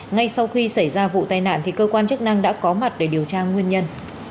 ngay sau khi xảy ra vụ tai nạn thì cơ quan chức năng đã có mặt để điều tra nguyên nhân